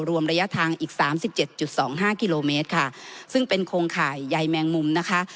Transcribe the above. รวมระยะทางอีก๓๗๒๕กิโลเมตรค่ะซึ่งเป็นโครงข่ายใยแมงมุมนะคะ